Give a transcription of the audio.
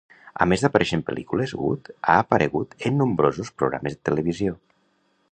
A més d'aparèixer en pel·lícules, Goode ha aparegut en nombrosos programes de televisió.